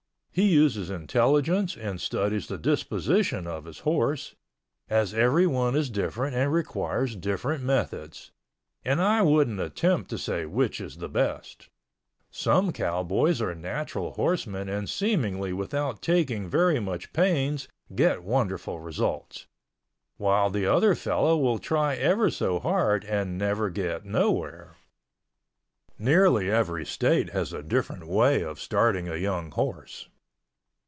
He uses intelligence and studies the disposition of his horse, as every one is different and requires different methods—and I wouldn't attempt to say which is the best. Some cowboys are natural horsemen and seemingly without taking very much pains get wonderful results, while the other fellow will try ever so hard and never get nowhere. Nearly every state has a different way of starting a young horse.